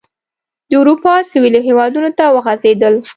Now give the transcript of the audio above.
د اروپا سوېلي هېوادونو ته وغځېدل.